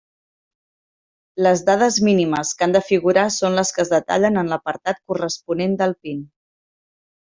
Les dades mínimes que han de figurar són les que es detallen en l'apartat corresponent del PIN.